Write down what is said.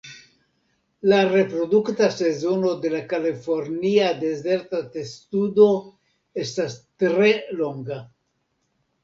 La reprodukta sezono de la Kalifornia dezerta testudo estas tre longa.